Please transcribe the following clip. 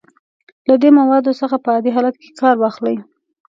له دې موادو څخه په عادي حالت کې کار واخلئ.